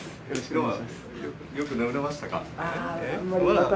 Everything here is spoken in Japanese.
昨日はよく眠れましたか？